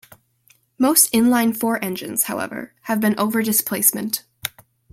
Most inline-four engines, however, have been over displacement.